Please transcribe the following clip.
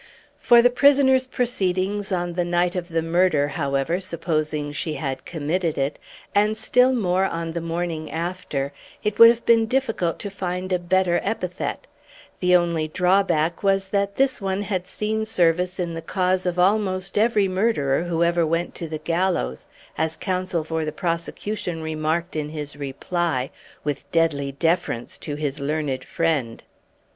For the prisoner's proceedings on the night of the murder, however, supposing she had committed it, and still more on the morning after, it would have been difficult to find a better epithet; the only drawback was that this one had seen service in the cause of almost every murderer who ever went to the gallows as counsel for the prosecution remarked in his reply, with deadly deference to his learned friend.